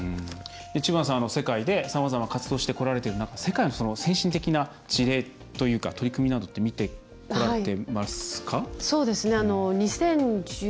知花さん、世界でさまざまな活動をしている中世界の先進的な事例や取り組みなどって見てこられていますか？